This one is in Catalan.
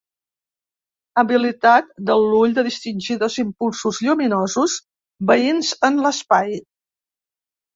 Habilitat de l'ull de distingir dos impulsos lluminosos veïns en l'espai.